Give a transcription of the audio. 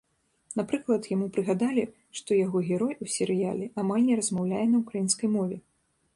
Напрыклад, яму прыгадалі, што яго герой у серыяле амаль не размаўляе на ўкраінскай мове.